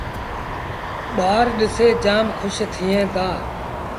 ٻآر ڏسي جآم کُش ٿئيٚݩ دآ۔